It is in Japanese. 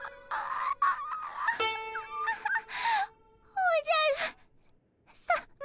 おじゃるさま。